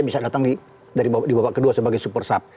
bisa datang di babak kedua sebagai super sub